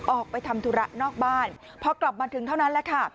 ออกไปทำธุระนอกบ้านพอกลับมาถึงเท่านั้นแหละค่ะ